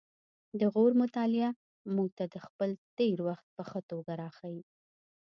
د غور مطالعه موږ ته خپل تیر وخت په ښه توګه راښيي